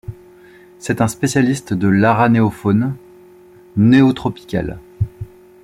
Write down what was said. C'est un spécialiste de l'aranéofaune neotropicale.